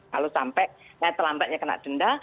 kalau sampai terlambatnya kena denda